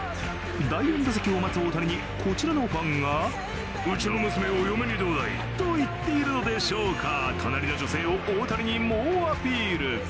第４打席を待つ大谷に、こちらのファンが、うちの娘を嫁にどうだいと言っているのでしょうか、隣の女性を大谷に猛アピール。